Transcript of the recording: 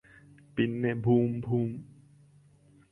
പിന്നെ boom boom